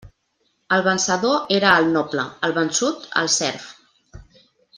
El vencedor era el noble, el vençut el serf.